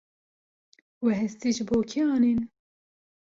We hestî ji bo kê anîn?